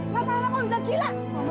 mama jangan mama